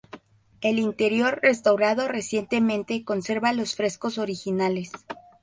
El interior, restaurado recientemente, conserva los frescos originales.